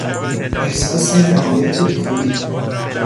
احساس امنیت بیخودی